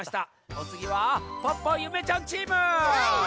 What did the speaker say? おつぎはポッポゆめちゃんチーム。